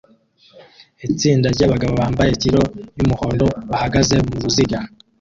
Itsinda ryabagabo bambaye kilo yumuhondo bahagaze muruziga